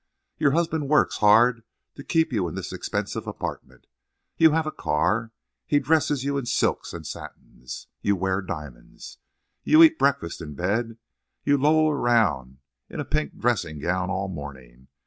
Your husband works hard to keep you in this expensive apartment. You have a car. He dresses you in silks and satins. You wear diamonds. You eat your breakfast in bed. You loll around in a pink dressing gown all morning.